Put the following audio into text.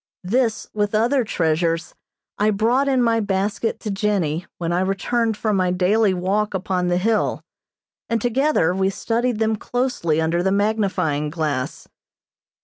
This, with other treasures, I brought in my basket to Jennie when I returned from my daily walk upon the hill, and together we studied them closely under the magnifying glass.